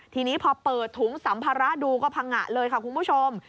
ทีนี้พอเปิดถุงสัมภาระดูก็พังงะเลยค่ะคุณผู้ชม